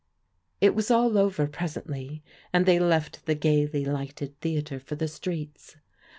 It was all over presently, and they left the gaily lighted theatre for the streets.